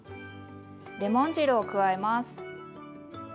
レモン汁を加えます。